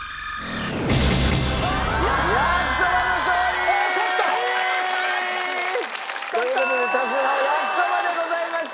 焼きそばの勝利！という事で多数派は焼きそばでございました。